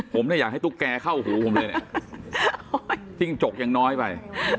ผมเนี่ยอยากให้ตุ๊กแกเข้าหูผมเลยเนี่ยจิ้งจกยังน้อยไป